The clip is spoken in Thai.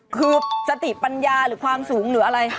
คือสติปัญญาหรือความสูงหรืออะไร